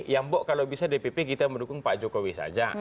yang bok kalau bisa dpp kita mendukung pak jokowi saja